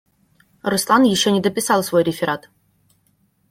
Руслан еще не дописал свой реферат.